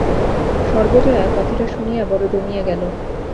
সর্বজয়া কথাটা শুনিয়া বড় দমিয়া গেল।